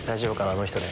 あの人で。